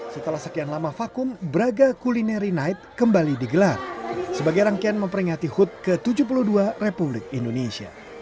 setelah sekian lama vakum braga culinary night kembali digelar sebagai rangkaian memperingati hut ke tujuh puluh dua republik indonesia